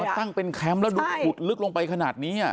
ตั้งเป็นแคมป์แล้วดูขุดลึกลงไปขนาดนี้